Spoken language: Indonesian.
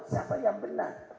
siapa yang benar